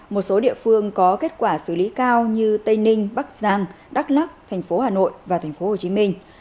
một số địa phương có kết quả xử lý cao như tây ninh bắc giang đắk lắk tp hà nội và tp hồ chí minh